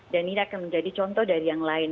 dan ini akan menjadi contoh dari yang lain